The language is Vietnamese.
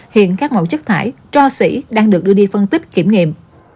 hiện các mẫu chất thải tro sỉ đang được đưa đi phân tích kiểm nghiệm